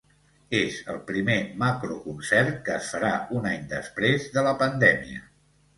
És el primer macroconcert que es farà un any després de la pandèmia.